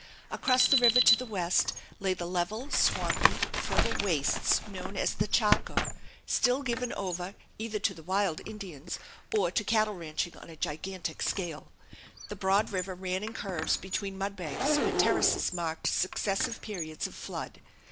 Across the river to the west lay the level, swampy, fertile wastes known as the Chaco, still given over either to the wild Indians or to cattle ranching on a gigantic scale. The broad river ran in curves between mud banks where terraces marked successive periods of flood.